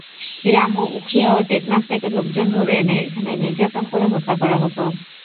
রামু, উখিয়া ও টেকনাফ থেকে লোকজন ধরে এনে এখানে নির্যাতন করে হত্যা করা হত।